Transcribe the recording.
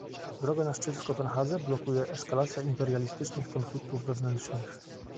Drogę na szczyt w Kopenhadze blokuje eskalacja imperialistycznych konfliktów wewnętrznych